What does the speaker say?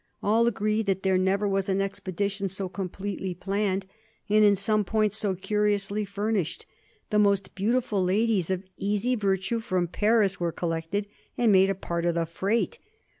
All agree that there never was an expedition so completely planned, and in some points so curiously furnished the most beautiful ladies of easy virtue from Paris were collected and made a part of the freight.